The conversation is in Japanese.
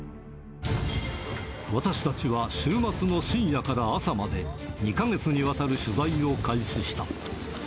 私たちは週末の深夜から朝まで、２か月にわたる取材を開始した。